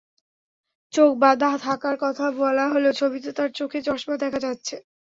চোখ বাঁধা থাকার কথা বলা হলেও ছবিতে তাঁর চোখে চশমা দেখা যাচ্ছে।